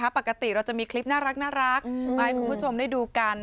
ปกติเราจะมีคลิปน่ารักมาให้คุณผู้ชมได้ดูกัน